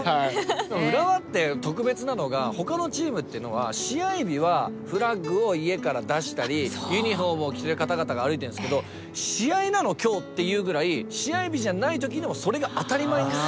でも浦和って特別なのがほかのチームっていうのは試合日はフラッグを家から出したりユニフォームを着てる方々が歩いてるんですけど「試合なの？今日」っていうぐらい試合日じゃない時にもそれが当たり前にあります。